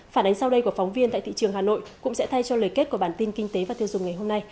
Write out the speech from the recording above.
phản ánh sau đây của phóng viên tại thị trường hà nội cũng sẽ thay cho lời kết của bản tin kinh tế và tiêu dùng ngày hôm nay